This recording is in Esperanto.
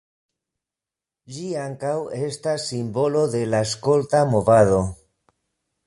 Ĝi ankaŭ estas simbolo de la skolta movado.